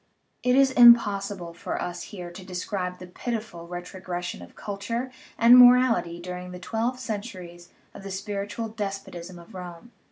It is impossible for us here to describe the pitiful ret rogression of culture and morality during the twelve centuries of the spiritual despotism of Rome.